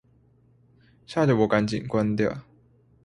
嚇得我趕緊關掉